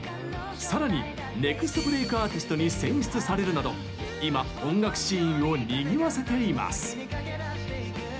さらにネクストブレイクアーティストに選出されるなど今音楽シーンをにぎわせています。